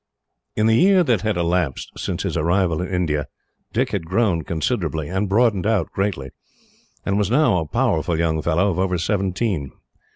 In the year that had elapsed since his arrival in India, Dick had grown considerably, and broadened out greatly, and was now a powerful young fellow of over seventeen.